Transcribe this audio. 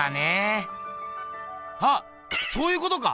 あっそういうことか！